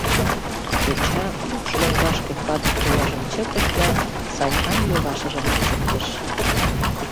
Коча укш лоҥгашке кадыр тояжым чыкыш да Санькан йолашыжым пижыктыш.